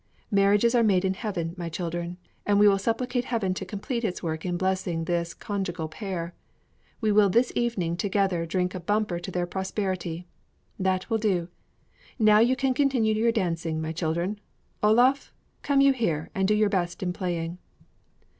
Marriages are made in heaven, my children, and we will supplicate heaven to complete its work in blessing this conjugal pair. We will this evening together drink a bumper to their prosperity. That will do! Now you can continue your dancing, my children. Olof, come you here, and do your best in playing."